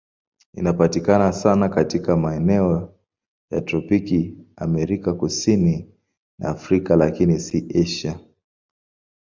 Inapatikana sana katika maeneo ya tropiki Amerika Kusini na Afrika, lakini si Asia.